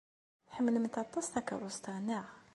Tḥemmlemt aṭas takeṛṛust-a, naɣ?